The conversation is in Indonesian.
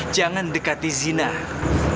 dan memang tidak dibenarkan